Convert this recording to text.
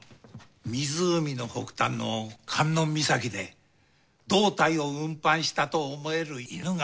湖の北端の観音岬で胴体を運搬したと思える犬神